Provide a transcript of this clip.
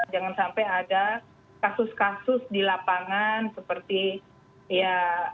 jangan sampai ada kasus kasus di lapangan seperti ya